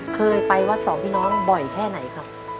เคยไปวัดสองพี่น้องบ่อยแค่ไหนครับ